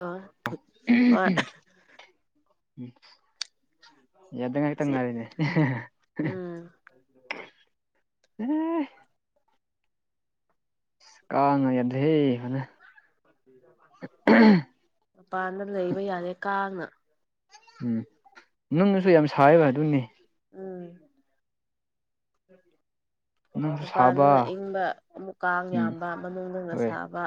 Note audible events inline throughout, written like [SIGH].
ꯍ ꯍꯣꯏ ꯎꯝ ꯌꯥꯗ ꯉꯥꯏꯍꯛꯇꯪ ꯁꯤ ꯉꯔꯅꯦ ꯎꯝ ꯀꯉ ꯌꯥꯗ ꯃꯄꯥꯟꯗ ꯂꯩꯕ ꯌꯥꯔꯦ ꯀꯥꯡꯅ ꯎꯝ ꯅꯨꯡꯅꯁꯨ ꯌꯥꯝ ꯁꯥꯏꯕ ꯑꯗꯨꯅꯤ ꯎꯝ ꯅꯪꯁꯨ ꯃꯄꯥꯗꯅ ꯁꯥꯕ ꯏꯪꯕ ꯑꯃꯨꯛ ꯀꯥꯡ ꯎꯝ ꯌꯥꯝꯕ ꯃꯅꯨꯡꯅ ꯍꯣꯏ ꯁꯥꯕ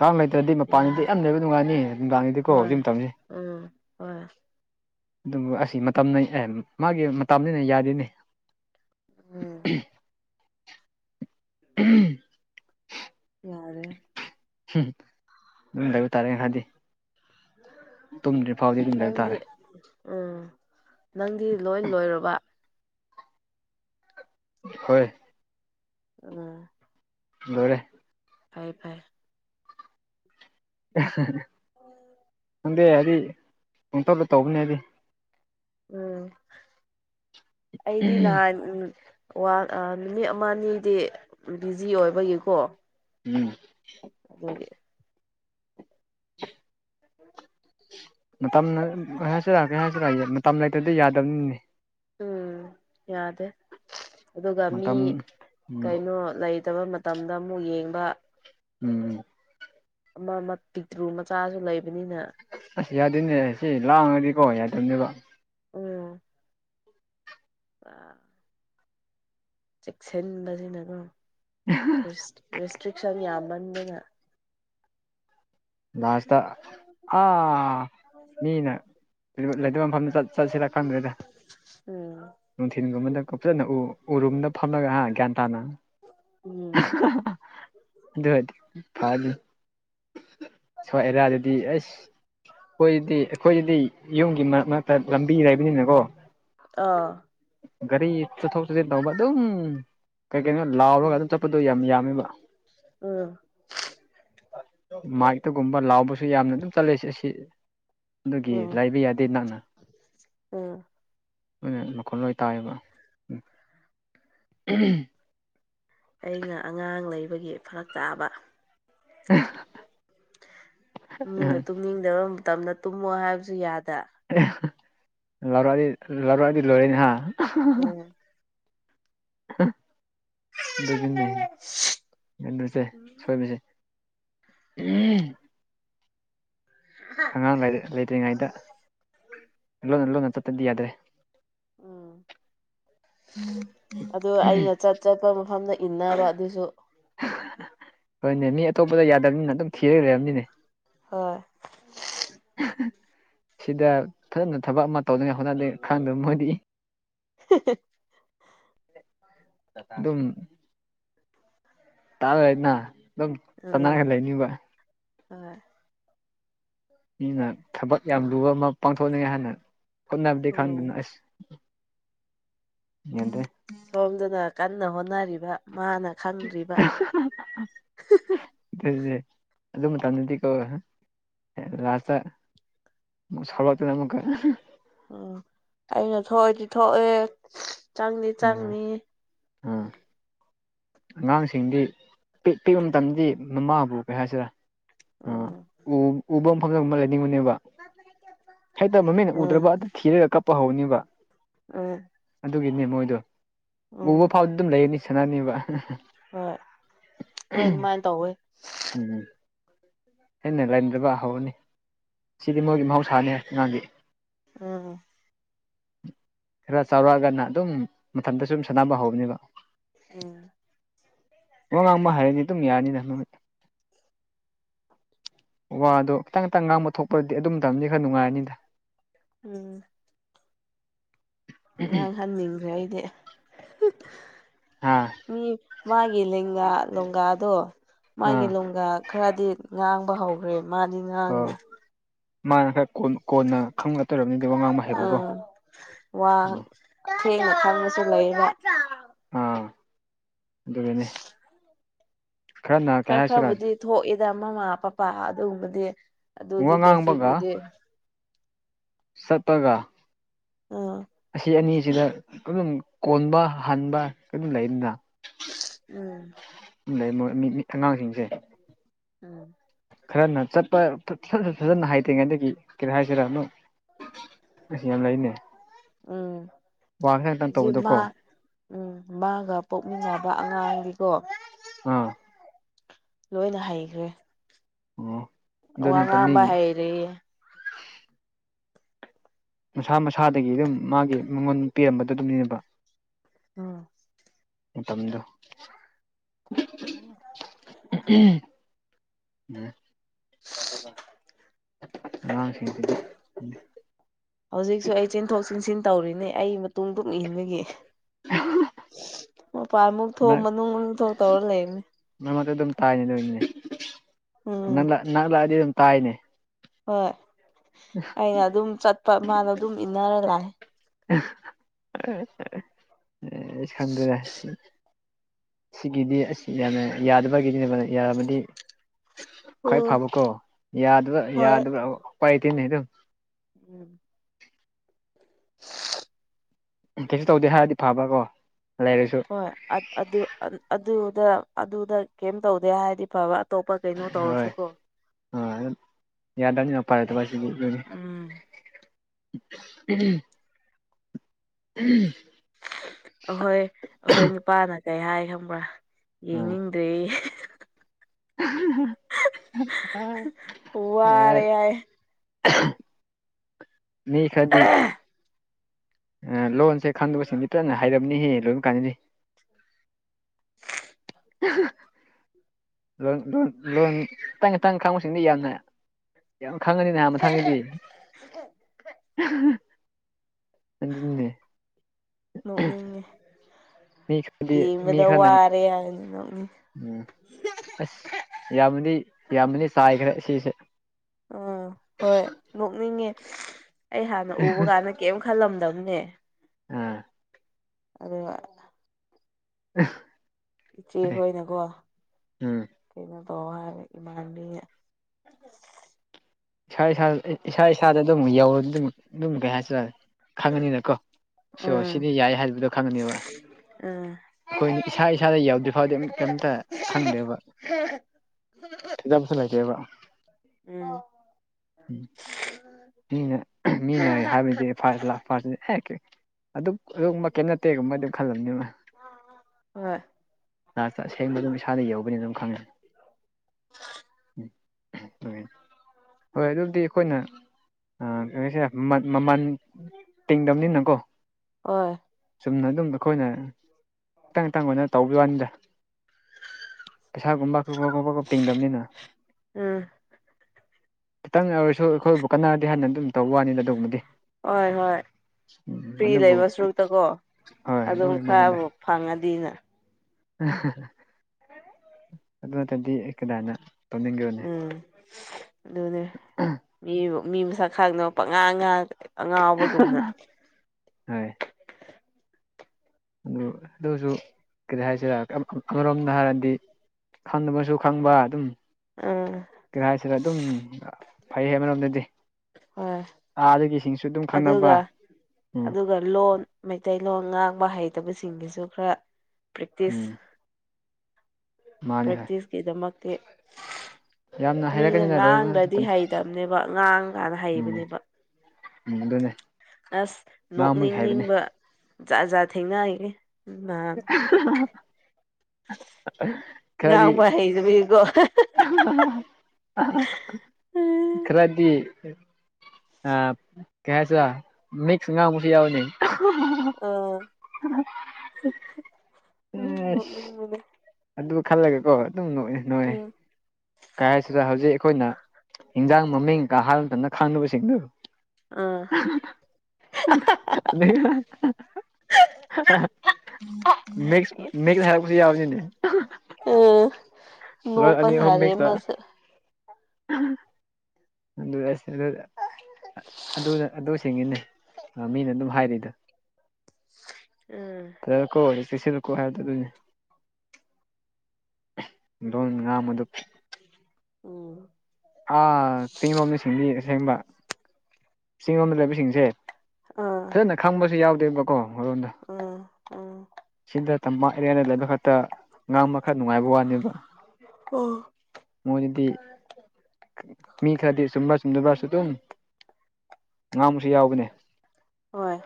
ꯀꯥꯡ ꯂꯩꯇ꯭ꯔꯗꯤ ꯕꯦꯔꯥ ꯃꯄꯥꯟꯗꯗꯤ ꯌꯥꯝ ꯂꯩꯕ ꯅꯨꯡꯉꯥꯏꯅꯤ ꯅꯨꯡꯗꯥꯡꯅꯤꯗꯤꯀꯣ ꯍꯣꯏ ꯍꯧꯛ ꯇꯝꯅꯤ ꯎꯝ ꯍꯣꯏ ꯑꯗꯨꯕꯨ ꯑꯁꯤ ꯃꯇꯝꯅꯦ ꯃꯥꯒꯤ ꯃꯇꯝꯅꯤꯅ ꯌꯥꯗꯦꯅꯦ ꯎꯝ ꯑꯝ-ꯑꯝ ꯌꯥꯔꯦ꯫ ꯍꯝ ꯑꯗꯨꯝ ꯂꯩꯕ ꯇꯥꯔꯦ ꯈ꯭ꯔꯗꯤ꯫ ꯇꯨꯝꯗ꯭ꯔꯤ ꯐꯥꯎꯗꯤ ꯑꯗꯨꯝ ꯂꯩꯕ ꯅꯪꯗꯤ ꯇꯥꯔꯦ꯫ ꯎꯝ ꯅꯪꯗꯤ ꯂꯣꯏ ꯂꯣꯏꯔꯕ? ꯍꯣꯏ꯫ ꯑꯉꯥ꯫ ꯂꯣꯏꯔꯦ꯫ ꯐꯩ-ꯐꯩ꯫ [UNINTELLIGIBLE] [INAUDIBLE] ꯈꯪꯗꯦ ꯍꯥꯏꯗꯤ ꯄꯣꯡꯇꯧꯗ ꯇꯧꯕꯅꯦ ꯑꯩꯗꯤ꯫ ꯎꯝ ꯑꯩꯗꯤ ꯅꯍꯥꯟ ꯎꯝ ꯋꯥ ꯑ ꯅꯨꯃꯤꯠ ꯑꯃꯅꯤꯗꯤ ꯕꯤꯖꯤ ꯑꯣꯏꯕꯒꯤꯀꯣ ꯎꯝ ꯑꯗꯨꯒꯤ꯫ [INAUDIBLE] ꯃꯇꯝ-ꯅ-ꯍꯥꯏꯁꯤꯔ ꯀꯩ-ꯍꯥꯏꯁꯤꯔ ꯃꯇꯝ ꯂꯩꯇ꯭ꯔꯗꯤ ꯌꯥꯗꯕꯅꯤꯅꯦ꯫ ꯎꯝ ꯌꯥꯗꯦ ꯑꯗꯨꯒ ꯃꯤ ꯃꯇꯝ ꯎꯝ ꯀꯩꯅꯣ ꯂꯩ ꯇꯕ ꯃꯇꯝꯗ ꯑꯃꯨꯛ ꯌꯦꯡꯕ ꯎꯝ꯫ ꯑꯃ-ꯃ ꯄꯤꯛꯇ꯭ꯔꯨ ꯃꯆꯥꯁꯨ ꯂꯩꯕꯅꯤꯅ꯫ ꯑꯁ ꯌꯥꯗꯦꯅꯦ ꯁꯤ ꯂꯥꯡꯉꯗꯤꯀꯣ ꯌꯥꯗꯕꯅꯦꯕ꯫ ꯎꯝ꯫ ꯑ ꯆꯦꯛꯁꯤꯟꯕꯁꯤꯅꯀꯣ꯫ [UNINTELLIGIBLE] ꯔꯦꯁ-ꯔꯤꯁꯇ꯭ꯔꯤꯛꯁꯟ ꯌꯥꯝꯃꯟꯗꯅ꯫ ꯂꯥꯁꯇ ꯑꯥ ꯃꯤꯅ [UNINTELLIGIBLE] ꯂꯩꯇꯕ ꯃꯐꯝꯗ ꯆꯠ- ꯆꯠꯁꯤꯔꯥ ꯈꯪꯗ꯭ꯔꯦꯗ꯫ ꯎꯝ ꯅꯨꯡꯊꯤꯟꯒꯨꯝꯕꯗ ꯐꯖꯅ ꯎ-ꯎꯔꯨꯝꯗ ꯐꯝꯂꯒ ꯍꯥ ꯒ꯭ꯌꯥꯟ ꯇꯥꯅ꯫ ꯎꯝ ꯑꯗꯨꯑꯣꯏꯗꯤ ꯐꯅꯤ꯫ ꯁ꯭ꯋꯥꯏ ꯑꯔꯤꯌꯗꯗꯤ ꯑꯩꯁ ꯑꯩꯈꯣꯏꯗꯤ ꯑꯩꯈꯣꯏꯒꯤꯗꯤ ꯌꯨꯝꯒꯤ ꯃꯔꯛ-ꯃꯔꯛꯇ ꯂꯝꯕꯤ ꯂꯩꯕꯅꯤꯅꯀꯣ ꯑꯥ ꯒꯥꯔꯤ ꯆꯠꯊꯣꯛ ꯆꯠꯁꯤꯟ ꯇꯧꯕ ꯑꯗꯨꯝ꯫ ꯀꯩ-ꯀꯩꯅꯣ ꯂꯥꯎꯔꯒ ꯎꯝ ꯑꯗꯨꯝ ꯆꯠꯄꯗꯣ ꯌꯥꯝ-ꯌꯥꯝꯃꯦꯕ꯫ ꯎꯝ ꯃꯥꯏꯛꯇꯒꯨꯝꯕ ꯂꯥꯎꯕꯁꯨ ꯌꯥꯝꯅ ꯑꯗꯨꯝ ꯆꯠꯂꯦ-ꯁꯦ- ꯑꯁꯤ꯫ ꯑꯗꯨꯒꯤ ꯎꯝ ꯂꯩꯕꯕ ꯌꯥꯗꯦ ꯅꯛꯅ ꯎꯝ [INAUDIBLE] ꯈꯣꯜ ꯂꯣꯏ ꯇꯥꯏꯌꯦꯕ ꯎꯝ꯫ ꯑꯩꯅ ꯑꯉꯥꯡ ꯂꯩꯕꯒꯤ ꯐꯔꯛ ꯇꯥꯕ꯫ [UNINTELLIGIBLE] ꯅꯤꯡꯗꯕ ꯃꯇꯝꯗ ꯇꯨꯝꯃꯣ ꯍꯥꯏꯕꯁꯨ ꯌꯥꯗ꯫ ꯂꯧꯥꯎꯔꯛꯑꯗꯤ-ꯂꯧꯥꯎꯔꯛꯑꯗꯤ ꯂꯣꯏꯔꯦꯅꯦ ꯍꯥ? ꯎꯝ ꯑꯗꯨꯗꯤꯅꯦ ꯑꯗꯨꯁꯦ ꯁꯣꯏꯕꯁꯦ꯫ ꯎꯝ ꯑꯉꯥꯡ ꯂꯩꯇ꯭ꯔꯤꯉꯩꯗ ꯂꯣꯟꯅ ꯂꯣꯟꯅ ꯆꯠꯇꯗꯤ ꯌꯥꯗ꯭ꯔꯦ ꯎꯝ ꯑꯗꯨ ꯑꯩꯅ ꯆꯠ ꯆꯠꯄ ꯃꯐꯝꯗ ꯏꯟꯅꯕ ꯑꯗꯨꯁꯨ ꯍꯣꯏꯅꯦ ꯃꯤ ꯑꯇꯣꯞꯄꯗ ꯌꯥꯗꯕꯅꯤꯅ ꯑꯗꯨꯝ ꯊꯤꯔꯒ ꯂꯩꯝꯅꯤꯅꯦ ꯍꯣꯏ ꯁꯤꯗ ꯐꯖꯅ ꯊꯕꯛ ꯑꯃ ꯇꯧꯅꯉꯥꯏ ꯍꯣꯠꯅꯗꯦ ꯈꯪꯗꯕ ꯃꯣꯏꯗꯤ [UNINTELLIGIBLE] ꯑꯗꯨꯝ ꯇꯥꯔ ꯍꯥꯏꯅ ꯑꯗꯨꯝ ꯇꯅꯔꯒ ꯂꯩꯅꯤꯕ ꯍ ꯃꯤꯅ ꯊꯕꯛ ꯌꯥꯝ ꯂꯨꯕ ꯑꯃ ꯄꯥꯡꯊꯣꯛꯅꯤꯡꯉꯥꯏ ꯍꯥꯏꯅ ꯍꯣꯠꯅꯕꯗꯤ ꯎꯝ ꯈꯪꯗꯨꯅ ꯑꯁ ꯌꯦꯗꯦ ꯁꯣꯝꯗꯅ ꯀꯟꯅ ꯍꯣꯠꯅꯔꯤꯕ ꯃꯥꯅ ꯈꯪꯗ꯭ꯔꯤꯕ [UNINTELLIGIBLE] ꯑꯗꯨꯗꯤ ꯑꯗꯨꯝꯇꯪꯗꯤꯀꯣ ꯂꯥꯁꯇ ꯁꯥꯎꯔꯛꯇꯅ ꯑꯃꯨꯀ ꯎꯝ ꯑꯩꯅ ꯊꯣꯛꯑꯗꯤ ꯊꯣꯛꯑꯦ ꯆꯪꯅꯤ ꯎꯝ ꯆꯪꯅꯤ ꯎꯝ [INAUDIBLE] ꯑꯉꯥꯡꯁꯤꯡꯗꯤ ꯄꯤ ꯄꯤꯛꯄ ꯃꯇꯝꯗꯤ ꯃꯃꯥꯕꯨ ꯀꯩ ꯍꯥꯏꯁꯤꯔꯥ ꯑ ꯎꯝ ꯎ ꯎꯐꯝ ꯃ ꯐꯐꯝꯖ ꯑꯃ ꯂꯩꯅꯤꯡꯉꯅꯦꯕ ꯍꯦꯛꯇ ꯃꯃꯤꯡꯅ ꯎꯝ ꯎꯗ꯭ꯔꯕ ꯑꯗꯨ ꯊꯤꯔꯒ ꯀꯞꯄ ꯍꯧꯅꯦꯕ ꯎꯝ ꯑꯗꯨꯒꯤꯅꯦ ꯃꯣꯏꯗꯣ ꯎꯕ ꯎꯝ ꯐꯥꯎꯗ ꯑꯗꯨꯝ ꯂꯩꯔꯅꯤ ꯁꯅꯥꯅꯦꯕ ꯍꯣꯏ ꯍꯣꯏ ꯑꯗꯨꯃꯥꯏꯅ ꯇꯧꯋꯦ ꯎꯝ [UNINTELLIGIBLE] ꯍꯦꯟꯅ ꯂꯥꯏꯟꯗꯕ ꯍꯧꯔꯅꯤ ꯁꯤꯗꯤ ꯃꯣꯏꯒꯤ ꯃꯍꯧꯁꯥꯅꯦ ꯑꯉꯥꯡꯗꯤ ꯎꯝ ꯈꯔ ꯆꯥꯎꯔꯛꯑꯒꯅ ꯑꯗꯨꯝ ꯃꯊꯟꯇ ꯁꯨꯝ ꯁꯥꯟꯅꯕ ꯍꯧꯕꯅꯦꯕ [UNINTELLIGIBLE] ꯋꯥ ꯉꯥꯡꯕ ꯍꯥꯏꯔꯅꯤ ꯑꯗꯨꯝ ꯌꯥꯅꯤꯗ ꯋꯥ ꯑꯗꯣ ꯈꯤꯇꯪ ꯈꯤꯇꯪ ꯉꯥꯡꯕ ꯊꯣꯛꯄꯗꯤ ꯑꯗꯨꯝ ꯇꯕꯅꯤ ꯈꯔ ꯅꯨꯡꯉꯥꯏꯔꯅꯤꯗ ꯎꯝ ꯉꯥꯡꯍꯟꯅꯤꯡꯗ꯭ꯔꯦ ꯑꯩꯗꯤ ꯍꯥꯥ ꯃꯤ ꯃꯥꯒꯤ ꯂꯦꯡꯒꯥ ꯂꯣꯡꯒꯥꯗꯣ ꯃꯥꯒꯤ ꯑꯥ ꯂꯣꯡꯒꯥ ꯈꯔꯗꯤ ꯉꯥꯡꯕ ꯍꯧꯈ꯭ꯔꯦ ꯃꯥꯅꯤ ꯑ ꯃꯥꯅ ꯈꯔ ꯀꯣꯟꯅ ꯈꯪ ꯎꯥ ꯋꯥ ꯊꯦꯡꯅ ꯈꯪꯕꯁꯨ ꯂꯩꯅ ꯑꯥ ꯑꯗꯨꯅꯦ ꯈꯔ ꯍꯥꯏꯁꯤꯔꯥ ꯈꯔꯕꯨꯗꯤ ꯊꯣꯛꯏꯗ ꯃꯃꯥ ꯄꯄꯥ ꯑꯗꯨꯒꯨꯝꯕꯗꯤ ꯑꯗꯨꯗꯤ ꯋꯥ ꯉꯥꯡꯕꯒ ꯕꯦꯁꯤꯛꯄꯨꯗꯤ ꯆꯠꯄꯒ ꯑꯥ ꯑꯁꯤ ꯑꯅꯤꯁꯤꯗ ꯑꯗꯨꯝ ꯀꯣꯟꯕ ꯍꯥꯟꯕ ꯑꯗꯨꯝ ꯂꯩꯗꯅ ꯎꯝ ꯂꯩ ꯃ ꯑꯉꯥꯡꯁꯤꯡꯁꯦ ꯎꯝ ꯈꯔꯅ ꯆꯠꯄ ꯐꯖꯅ ꯍꯥꯏꯇ꯭ꯔꯤꯉꯩꯗꯒꯤ ꯀꯩ ꯍꯥꯏꯁꯤꯔ ꯑ ꯌꯥꯝ ꯂꯩꯅꯦ ꯎꯝ ꯋꯥ ꯈꯤꯇꯪ ꯈꯤꯇꯪ ꯖꯤꯃꯥ ꯇꯧꯕꯗꯀꯣ ꯎꯝ ꯃꯥꯒ ꯄꯣꯛꯃꯤꯟꯅꯕ ꯑꯉꯥꯡꯗꯤꯀꯣ ꯑꯥ ꯂꯣꯏꯅ ꯍꯩꯈ꯭ꯔꯦ ꯑꯣꯝ ꯋꯥ ꯉꯥꯡꯝꯕ ꯍꯩꯔꯤ ꯃꯁꯥ ꯃꯁꯥꯗꯒꯤ ꯑꯗꯨꯝ ꯃꯥꯒꯤ ꯃꯉꯣꯟ ꯄꯤꯔꯝꯕꯗ ꯑꯗꯨꯝꯅꯦꯅꯕ ꯑꯥ ꯃꯇꯝꯗꯣ ꯑꯣ [UNINTELLIGIBLE] ꯑꯉꯥꯡꯁꯤꯡꯁꯤꯗꯤ ꯍꯧꯖꯤꯛꯁꯨ ꯑꯩ ꯆꯦꯟꯊꯣꯛ ꯆꯦꯟꯁꯤꯟ ꯇꯧꯔꯤꯅꯦ ꯑꯩ ꯃꯇꯨꯡ ꯗꯨꯛ ꯏꯟꯕꯒꯤ꯫ ꯃꯄꯥꯥꯟ ꯑꯃꯨꯛ ꯊꯣꯛ ꯃꯅꯨꯡ ꯑꯃꯨꯛ ꯊꯣꯛ ꯇꯧꯔ ꯂꯩꯕꯅꯤ꯫ ꯃꯔ ꯃꯔꯛꯇ ꯑꯗꯨꯝ ꯇꯥꯏꯅꯦ ꯑꯗꯨꯣꯏꯅꯦ ꯎꯝ ꯅꯪ ꯅꯪ ꯂꯥꯛꯑꯗꯤ ꯑꯗꯨꯝ ꯇꯥꯏꯅꯦ꯫ ꯍꯣꯏ ꯑꯩꯅ ꯑꯗꯨꯝ ꯆꯠꯄ ꯃꯥꯗ ꯑꯗꯨꯝ ꯏꯟꯅꯔ ꯂꯥꯛ [UNINTELLIGIBLE] ꯁꯤꯒꯤꯗꯤ ꯑꯁ ꯌꯥꯅ ꯌꯥꯗꯕꯒꯤꯅꯦꯕ ꯌꯥꯔꯝꯑꯗꯤ ꯈ꯭ꯋꯥꯏ ꯑꯣ ꯐꯕꯀꯣ ꯌꯥꯗꯕ ꯍꯣꯏ ꯌꯥꯗꯕ ꯎꯄꯥꯏ ꯀꯩꯅꯤ ꯑꯗꯨꯝ꯫ ꯎꯝ꯫ [UNINTELLIGIBLE] ꯀꯩꯁꯨ ꯇꯧꯗꯦ ꯍꯥꯏꯔꯗꯤ ꯐꯕ ꯀꯣ ꯂꯩꯔꯁꯨ꯫ ꯍꯣꯏ ꯑ ꯑꯗꯨ ꯑꯗꯨꯗ ꯑꯗꯨꯗ ꯀꯩꯝ ꯇꯧꯗꯦ ꯍꯥꯏꯗꯤ ꯐꯕ꯫ ꯑꯇꯣꯞꯄ ꯀꯩꯅꯣ ꯇꯧꯔꯁꯨ ꯀꯣ꯫ ꯑ ꯌꯥꯗꯅꯤꯅ ꯄ ꯂꯩꯇꯕ ꯑꯁꯤꯗꯤ꯫ ꯎꯝ [UNINTELLIGIBLE] [UNINTELLIGIBLE] ꯑꯍꯣꯏ ꯑꯩꯍꯣꯏ ꯅꯨꯄꯥꯅ ꯀꯩ ꯍꯥꯏ ꯈꯪꯕ꯭ꯔꯥ ꯌꯦꯡꯅꯤꯡꯗ꯭ꯔꯦꯌꯦ꯫ ꯋꯥꯔꯦ [INAUDIBLE] ꯍꯥꯏ ꯃꯤ ꯈ꯭ꯔꯗꯤ ꯑ ꯂꯣꯟꯁꯦ ꯈꯪꯗꯕꯁꯤꯡꯗꯤ ꯀꯅ ꯍꯥꯏꯔꯝꯅꯤꯍꯦ ꯂꯣꯏ ꯀꯥꯅꯅꯤ꯫ ꯂꯣꯟ ꯂꯣꯟ ꯂꯣꯟ ꯈꯇꯪ ꯈꯇꯪ ꯈꯥꯡꯕꯁꯤꯡꯗꯤ ꯌꯥꯝꯅ ꯌꯥꯝ ꯈꯪꯉꯅꯤꯅꯥ ꯃꯊꯪꯗꯗꯤ꯫ [UNINTELLIGIBLE] ꯑꯗꯨꯅꯤꯅꯦ꯫ ꯅꯣꯛꯅꯤꯡꯉꯦ ꯃꯤ ꯈꯔꯗꯤ ꯃꯤ ꯌꯦꯡꯕꯗ ꯈꯔꯅ ꯋꯥꯔꯦ ꯍꯥꯏꯅꯤ ꯅꯣꯛꯅꯤꯡ ꯎꯝ ꯑꯁ ꯌꯥꯝꯃꯗꯤ ꯌꯥꯝꯕꯗꯤ ꯆꯥꯏꯈ꯭ꯔꯦ ꯁꯤꯁꯦ꯫ ꯎ ꯍꯣꯏ ꯅꯣꯛꯅꯤꯡꯉꯦ ꯑꯩ ꯍꯥꯟꯅ ꯎꯕ ꯀꯥꯟꯗ ꯀꯩꯝ ꯈꯜꯂꯝꯗꯕꯅꯦ꯫ ꯑꯥ꯫ [INAUDIBLE] [UNINTELLIGIBLE] ꯏꯆꯦ ꯍꯣꯏꯅꯀꯣ꯫ ꯎꯝ ꯀꯩꯅꯦ ꯇꯧ ꯍꯥꯏ ꯏꯃꯟꯕꯤꯒ ꯏꯁꯥ ꯏꯁꯥꯗ ꯏꯁꯥ ꯏꯁꯥꯗ ꯑꯗꯨꯝ ꯌꯧꯔꯗꯤ ꯑꯗꯨꯝ ꯑꯗꯨꯝ ꯀꯩ ꯍꯥꯏꯁꯤꯔꯥ ꯈꯪꯉꯅꯤꯅ ꯀꯣ ꯁꯣ ꯎꯝ ꯁꯤꯗꯤ ꯌꯥꯏ ꯍꯥꯏꯕꯗꯣ ꯈꯪꯉꯅꯤꯕ꯫ ꯎꯝ ꯑꯩꯈꯣꯏꯅ ꯏꯁꯥ ꯏꯁꯥꯗ ꯌꯥꯎꯗ꯭ꯔꯤ ꯐꯥꯎꯗꯤ ꯑꯝ ꯀꯩꯝꯇ ꯈꯪꯗꯦꯕ꯫ [INAUDIBLE] ꯎꯝ꯫ [INAUDIBLE] ꯑꯗꯨꯛ ꯑꯗꯨ ꯃ ꯀꯩ ꯅꯠꯇꯦꯒꯨꯝ ꯑꯗꯨ ꯈꯜꯂꯕꯅꯤꯕ꯫ ꯍꯣꯏ ꯅꯥꯁꯇ ꯑꯁꯦꯡꯕ ꯑꯗꯨꯝ ꯏꯁꯥꯗ ꯌꯧꯒꯅꯤ ꯑꯗꯨꯝ ꯈꯪꯉꯦ꯫ [UNINTELLIGIBLE] ꯍꯣꯏ ꯑꯗꯨꯕꯨꯗꯤ ꯑꯩꯈꯣꯏꯅ ꯑ ꯀꯩ ꯍꯥꯏꯁꯤꯔ ꯃꯟ ꯃꯃꯟ ꯇꯤꯡꯗꯕꯅꯤꯅꯀꯣ꯫ ꯍꫭꯏ꯫ ꯆꯨꯝꯅ ꯑꯗꯨꯝ ꯑꯩꯈꯣꯏꯅ ꯈꯤꯇꯪ ꯇꯪ ꯑꯣꯏꯅ ꯇꯧꯕꯤ ꯋꯥꯅꯤꯗ꯫ ꯄꯩꯁꯥꯒꯨꯝꯕ [UNINTELLIGIBLE] ꯇꯤꯡꯗꯕꯅꯤꯅ꯫ ꯑꯥ꯫ ꯈꯤꯇꯪ ꯑꯣꯏꯔꯁꯨ ꯑꯩꯈꯣꯏꯕꯨ ꯀꯟꯅꯔꯗꯤ ꯍꯥꯟꯅ ꯑꯗꯨꯝ ꯇꯧꯕ ꯋꯥꯅꯤꯅ ꯑꯗꯨꯒꯃꯗꯤ꯫ ꯍꯣꯏ ꯍꯣꯏ ꯐ꯭ꯔꯤ ꯂꯩꯕ ꯁꯔꯨꯛꯇ ꯀꯣ ꯍꯣꯏ ꯑꯗꯨꯝ ꯑꯗꯨꯒꯤ ꯋꯥꯅꯤꯗ ꯈꯔꯕꯨ ꯐꯪꯉꯗꯤꯅ꯫ ꯑꯗꯨ ꯅꯠꯇꯗꯤ ꯑꯩ ꯀꯗꯥꯏꯅ ꯇꯧꯅꯤꯡꯕꯅꯦ ꯎꯝ ꯑꯗꯨꯅꯦ ꯃꯤ ꯃꯤ ꯃꯁꯛ ꯈꯪꯗꯅ ꯄꯉꯥ ꯉꯥ ꯑꯉꯥꯎꯕꯒꯨꯝꯅ ꯍ ꯑꯗꯨ ꯑꯗꯨꯁꯨ ꯀꯔꯤ ꯍꯥꯏꯁꯤꯔ ꯑꯃꯔꯣꯝꯗ ꯍꯥꯏꯔꯗꯤ ꯈꯪꯗꯕꯁꯨ ꯈꯪꯕ ꯑꯗꯨꯝ ꯑꯥ ꯀꯔ ꯍꯥꯏꯁꯤꯗ ꯑꯗꯨꯝ ꯐꯩ ꯍꯥꯏ ꯑꯃꯣꯝꯗꯗꯤ ꯍꯣꯏ ꯑꯥ ꯑꯗꯨꯒꯤꯁꯤꯡꯁꯨ ꯑꯗꯨꯝ ꯈꯪꯅꯕ ꯑꯗꯨꯒ ꯎꯝ ꯑꯗꯨꯒ ꯂꯣꯟ ꯃꯩꯇꯩꯂꯣꯟ ꯉꯥꯡꯕ ꯍꯩꯇꯕꯁꯤꯡꯒꯤꯁꯨ ꯈꯔ ꯄ꯭ꯔꯦꯛꯇꯤꯁ ꯎꯝ ꯃꯥꯅꯤ ꯍꯣꯏ ꯄ꯭ꯔꯦꯛꯇꯤꯁꯀꯤꯗꯃꯛꯇꯤ ꯌꯥꯝꯅ ꯃꯤꯁ ꯍꯩꯔꯛꯀꯅꯤꯅ ꯂꯣꯏꯕ ꯉꯥꯡꯗ꯭ꯔꯗꯤ ꯃꯇꯝ ꯍꯩꯇꯕꯅꯦꯕ ꯉꯥꯡꯀꯥꯟꯗ ꯎꯝ ꯍꯩꯕꯅꯦꯕ ꯎꯝ ꯑꯗꯨꯅꯦ ꯑꯁ ꯉꯥꯡꯕꯒꯤ ꯍꯥꯏꯕꯅꯦ ꯅꯣꯛꯅꯤꯡꯅꯤꯡꯕ ꯖꯥ ꯖꯥꯠ ꯊꯦꯡꯅꯒꯦ [INAUDIBLE] ꯈꯔꯗꯤ ꯍꯩꯖꯕꯤꯀꯣ ꯑ ꯎꯝ ꯈꯔꯗꯤ ꯑ ꯀꯩ ꯍꯥꯏꯁ ꯃꯤꯛꯁ ꯉꯥꯡꯕꯁꯨ ꯌꯥꯎꯅꯤ ꯑ ꯑ ꯎꯝ ꯎꯝ ꯑꯗꯨ ꯈꯜꯂꯒꯀꯣ ꯑꯗꯨꯝ ꯅꯣꯛꯑꯦ ꯎꯝ ꯀꯥꯏ ꯍꯥꯏꯁꯤꯗ ꯍꯧꯖꯤꯛ ꯑꯩꯈꯣꯏꯅ ꯍꯟꯖꯥꯡ ꯃꯃꯤꯡ ꯀꯥꯍꯜꯗꯅ ꯈꯥꯡꯅꯕꯁꯤꯡꯗꯨ ꯑꯥ [INAUDIBLE] ꯃꯤꯁ ꯃꯤꯁ ꯍꯥꯏꯔ ꯀꯁꯤ ꯌꯥꯕꯅꯤꯅꯤ ꯎꯝ ꯅꯣ ꯐꯁꯥꯔꯦ ꯃꯁ ꯎꯝ ꯅꯁ ꯑ ꯑꯗꯨ ꯑꯗꯨꯁꯤꯡꯉꯤꯅꯦ ꯃꯤꯅ ꯑꯗꯨꯝ ꯍꯥꯏꯔꯤꯗ ꯎꯝ ꯑꯗꯨ ꯀꯣ ꯁꯤꯀꯣ ꯍꯥꯏꯔꯗ ꯑꯗꯨꯅꯤ ꯂꯣꯟ ꯉꯥ ꯃꯗꯨ ꯎꯝ ꯑꯥ ꯆꯤꯡꯔꯣꯝꯗ ꯁꯤꯡꯗꯤ ꯑꯁꯦꯡꯕ ꯆꯤꯡ ꯂꯣꯝꯗ ꯂꯩꯕ ꯁꯤꯡꯁꯦ ꯐꯖꯅ ꯈꯪꯕꯁꯨ ꯌꯥꯎꯗꯦ ꯑ ꯎ ꯁꯤꯗ ꯇꯝꯄꯥꯛ ꯑꯦꯔꯤꯌꯥꯅ ꯂꯩꯕ ꯈꯛꯇ ꯉꯥꯡꯕ ꯈꯔ ꯅꯨꯡꯉꯥꯏꯕ ꯋꯥꯅꯦꯕ ꯑꯣ ꯃꯣꯏꯗꯗꯤ ꯃꯤ ꯈꯔꯗꯤ ꯆꯨꯝꯕ꯭ꯔ ꯆꯨꯝꯗꯕ꯭ꯔꯁꯨ ꯑꯗꯨꯝ ꯉꯥꯡꯕꯁꯨ ꯌꯥꯎꯕꯅꯦ ꯍꯣꯏ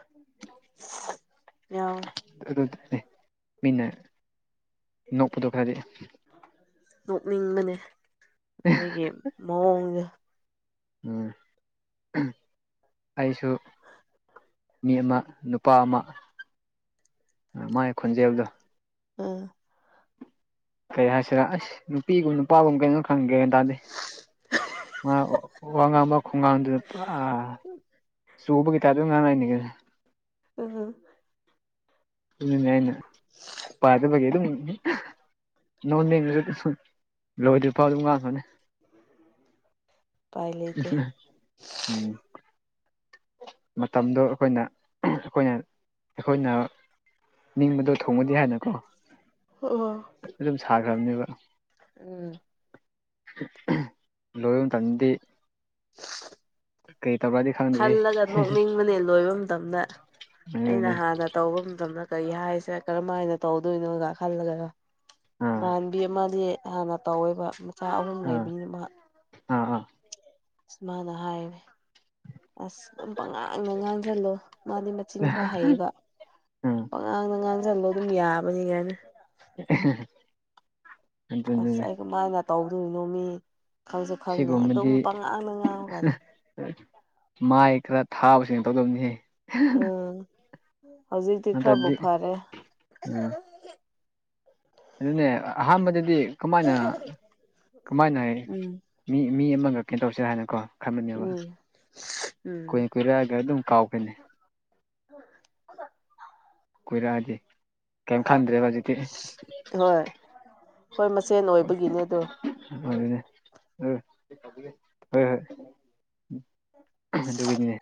ꯌꯥꯎꯋꯦ ꯑꯗꯨ ꯃꯤꯟꯅ ꯅꯣꯛꯄꯗꯣ ꯈꯔꯗꯤ ꯅꯣꯛꯅꯤꯡꯕꯅꯦ ꯃꯣꯏꯒꯤ ꯃꯑꯣꯡꯁꯦ ꯎꯝ ꯑꯩꯁꯨ ꯃꯤ ꯑꯃ ꯅꯨꯄꯥ ꯑꯃ ꯃꯥꯒꯤ ꯈꯣꯟꯖꯦꯜꯗꯣ ꯎꯝ ꯀꯩ ꯍꯥꯏꯁꯤꯔꯥ ꯑꯁ ꯅꯨꯄꯤꯒꯨꯝ ꯅꯨꯄꯥꯒꯨꯝꯕ ꯀꯩꯅꯣ ꯈꯪꯗꯔ꯭ꯦ ꯒꯌ꯭ꯥꯟ ꯇꯗꯔ꯭ꯦ ꯃꯥ ꯋꯥ ꯉꯥꯡꯕ ꯈꯨꯉꯥꯡꯗꯣ ꯑꯥ ꯆꯨꯕꯒꯤ ꯇꯥꯏꯞꯇ ꯑꯗꯨꯝ ꯉꯥꯡꯉꯛ ꯏꯅꯤ ꯀꯩꯅꯣ ꯎꯝ ꯑꯗꯨꯨꯅꯦ ꯑꯩ ꯅ ꯄꯥꯏꯕꯗꯒꯤ ꯑꯗꯨꯝ ꯅꯣꯛ ꯅꯤꯡꯉꯁꯨ ꯑꯗꯨꯝ ꯂꯣꯏꯗ꯭ꯔꯤꯐꯥꯎ ꯑꯗꯨꯝ ꯉꯥꯡꯉꯣꯅꯦ ꯎꯄꯥꯏ ꯂꯩꯇꯦ ꯎꯝ ꯃꯇꯝꯗꯣ ꯑꯩꯈꯣꯏꯅ ꯑꯩꯈꯣꯏꯅ ꯑꯩꯈꯣꯏꯅ ꯅꯤꯡꯕꯗꯣ ꯊꯨꯡꯉꯗꯤ ꯍꯥꯏꯅꯀꯣ ꯑꯗꯨꯝ ꯁꯥꯈ꯭ꯔꯕꯅꯦꯕ ꯎꯝ ꯂꯣꯏꯕ ꯃꯇꯝꯗꯗꯤ ꯀꯩ ꯇꯧꯕꯔ꯭ꯗꯤ ꯈꯪꯗꯔ꯭ꯦ ꯍꯦ ꯈꯜꯂꯒ ꯅꯣꯛꯅꯤꯡꯕꯅꯦ ꯂꯣꯏꯕ ꯃꯇꯝꯗ ꯑꯩꯅ ꯑꯗꯨꯅꯦ ꯍꯥꯟ ꯍꯥꯟꯅ ꯇꯧꯕ ꯃꯇꯝꯗ ꯀꯔꯤ ꯍꯥꯏꯁꯦ ꯀꯔꯝ ꯍꯥꯏꯅ ꯇꯧꯗꯣꯏꯅꯣꯒ ꯈꯜꯂꯒꯀꯣ ꯑꯥ ꯏꯃꯥꯟꯅꯕꯤ ꯑꯃꯗꯤ ꯍꯥꯟꯅ ꯇꯧꯋꯦꯕ ꯃꯆꯥ ꯑꯍꯨꯝ ꯂꯩꯕꯤ ꯑꯃ ꯑꯥ ꯑꯥ ꯃꯅ ꯍꯥꯏꯔꯤꯅꯦ ꯑꯁ ꯑꯗꯨꯝ ꯄꯉꯥꯡꯗ ꯉꯥꯡꯁꯤꯜꯂꯣ ꯃꯥꯗꯤ ꯃꯆꯤꯟ ꯑꯥ ꯈꯔ ꯍꯩꯌꯦꯕ ꯎꯝ ꯄꯛꯉꯥꯡꯗ ꯉꯥꯡꯁꯤꯜꯂꯣ ꯑꯗꯨꯝ ꯌꯥꯕꯅꯤ ꯀꯥꯏꯅ [UNINTELLIGIBLE] ꯑꯁ ꯑꯗꯨꯅꯤꯅꯦ ꯑꯩ ꯀꯃꯥꯏꯅ ꯇꯧꯗꯣꯏꯔꯤꯅꯣ ꯃꯤ ꯈꯪꯁꯨꯦ ꯈꯪꯗꯅ ꯑꯗꯨꯝ ꯁꯤꯒꯨꯝꯕꯗꯤ ꯄꯪꯉꯥꯡꯗ ꯉꯥꯡꯉꯨ ꯀꯥꯟꯗ ꯃꯥꯏ ꯈꯔ ꯊꯥꯕꯁꯤꯡꯅ ꯇꯧꯗꯧꯅꯤꯍꯦ ꯎꯝ ꯍꯧꯖꯤꯛꯇꯤ ꯈꯔꯕꯨ ꯐꯔꯦ ꯎꯝ ꯑꯗꯨꯅꯦ ꯑꯍꯥꯟꯕꯗꯗꯤ ꯀꯃꯥꯏꯅ ꯀꯃꯥꯏꯅ ꯍꯥꯏ ꯎꯝ ꯃꯤ ꯃꯤ ꯑꯃꯒ ꯀꯩꯅꯣ ꯇꯧꯁꯤꯔ ꯍꯥꯏꯅꯀꯣ ꯈꯟꯕꯅꯦꯕ ꯎꯝ ꯎꯝ ꯀꯨꯏ ꯀꯨꯏꯔꯛꯑꯒ ꯑꯗꯨꯝ ꯀꯥꯎꯈꯔꯦ ꯅꯦ ꯀꯨꯏꯔꯛꯑꯗꯤ ꯀꯩꯝ ꯈꯟꯗ꯭ꯔꯦꯕ ꯍꯧꯖꯤꯛꯇꯤ ꯍꯣꯏ ꯑꯈꯣꯏ ꯃꯁꯦꯟ ꯑꯣꯏꯕꯒꯤꯅꯦ ꯑꯗꯣ ꯑꯗꯨꯅꯦ ꯍꯣꯏ ꯍꯣꯏ ꯑꯗꯨ ꯒꯤꯅꯤꯅꯦ